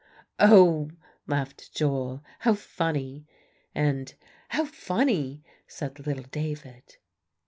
"Oh!" laughed Joel, "how funny!" And "How funny!" said little David.